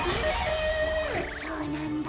そうなんだ。